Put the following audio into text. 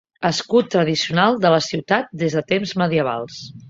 Escut tradicional de la ciutat des de temps medievals.